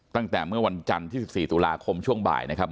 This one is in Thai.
ตั้งแต่เมื่อวันจันทร์ที่๑๔ตุลาคมช่วงบ่ายนะครับ